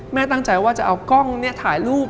แม่ตั้งใจว่าจะเอากล้องถ่ายรูป